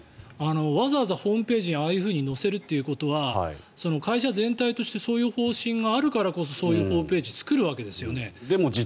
わざわざホームページにああいうふうに載せるということは会社全体としてそういう方針があるからこそそういうホームページを作るわけですよね。